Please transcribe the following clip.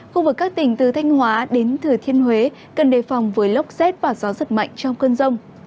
khu vực các tỉnh từ thanh hóa đến thừa thiên huế cần đề phòng với lốc xét và gió giật mạnh trong cơn rông